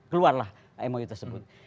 keluarlah mou tersebut